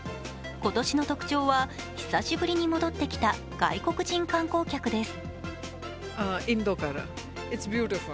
今年の特徴は久しぶりに戻ってきた外国人観光客です。